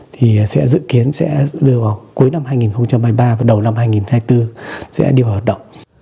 thì sẽ dự kiến sẽ đưa vào cuối năm hai nghìn hai mươi ba và đầu năm hai nghìn hai mươi bốn sẽ đi vào hoạt động